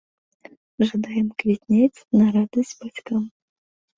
Жадаем квітнець на радасць бацькам!